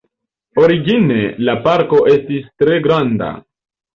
Origine la parko estis tre granda.